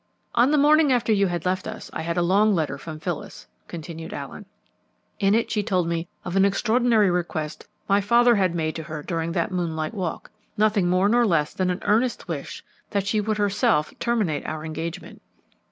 "On the morning after you had left us I had a long letter from Phyllis," continued Allen. "In it she told me of an extraordinary request my father had made to her during that moonlight walk nothing more nor less than an earnest wish that she would herself terminate our engagement.